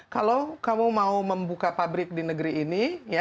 kalau kamu mau membuka pabrik di negeri ini